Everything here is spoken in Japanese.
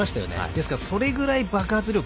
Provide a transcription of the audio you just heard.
ですから、それぐらい爆発力